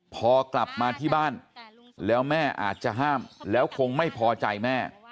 พอกลับมาที่บ้านแล้วแม่อาจจะห้ามแล้วคงไม่พอใจแม่